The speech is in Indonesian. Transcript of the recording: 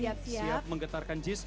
siap menggetarkan jis